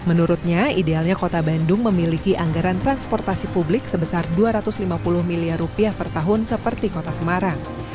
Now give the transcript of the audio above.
menurutnya idealnya kota bandung memiliki anggaran transportasi publik sebesar dua ratus lima puluh miliar rupiah per tahun seperti kota semarang